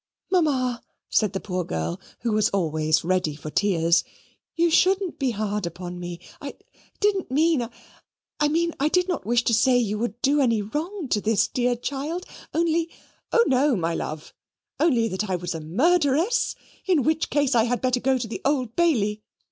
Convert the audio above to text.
"Mamma," said the poor girl, who was always ready for tears "you shouldn't be hard upon me. I I didn't mean I mean, I did not wish to say you would do any wrong to this dear child, only " "Oh, no, my love, only that I was a murderess; in which case I had better go to the Old Bailey.